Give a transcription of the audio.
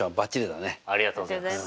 ありがとうございます。